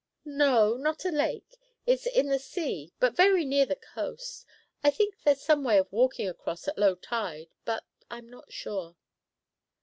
"No, not a lake. It's in the sea, but very near the coast. I think there's some way of walking across at low tide, but I'm not sure."